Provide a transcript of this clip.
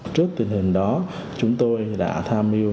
trước tình hình đó chúng tôi đã tham mưu